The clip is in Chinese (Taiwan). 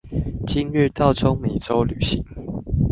今日到中美州旅行